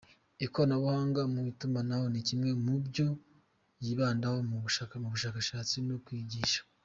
Ikoranabuhanga mu itumanaho ni kimwe mu byo yibandaho mu bushakashatsi no kwigisha.